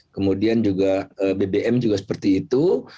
kemudian juga bbm juga seperti itu